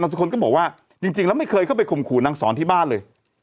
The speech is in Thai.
คนก็บอกว่าจริงแล้วไม่เคยเข้าไปข่มขู่นางสอนที่บ้านเลย